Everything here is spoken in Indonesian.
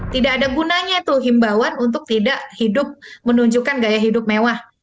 tidak ada gunanya itu himbawan untuk tidak hidup menunjukkan gaya hidup mewah